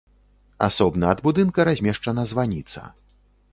Асобна ад будынка размешчана званіца.